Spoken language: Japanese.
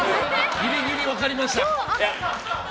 ギリギリ分かりました？